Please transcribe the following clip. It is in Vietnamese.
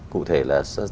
cụ thể là